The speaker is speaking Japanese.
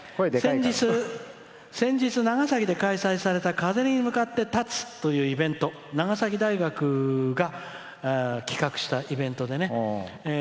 「先日、長崎で開催された「風に向かって立つ」というイベント長崎大学が企画したイベントで。